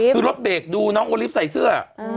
คือรถเบรกดูน้องโอลิฟต์ใส่เสื้อ